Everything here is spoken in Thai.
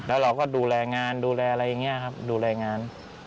แล้วเราก็ดูแลงานดูแลอะไรอย่างนี้ครับดูแลงาน